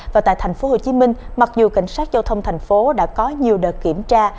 và tại thành phố hồ chí minh mặc dù cảnh sát giao thông thành phố đã có nhiều đợt kiểm tra